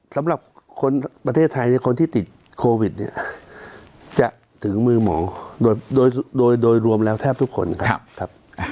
สำหรับคนประเทศไทยคนที่ติดโควิดเนี่ยจะถึงมือหมอโดยโดยรวมแล้วแทบทุกคนครับ